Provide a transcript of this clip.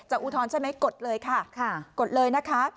จะอุทธรณ์ใช่ไหมกดเลยค่ะ